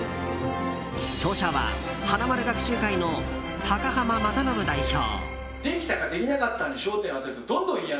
著者は花まる学習会の高濱正伸代表。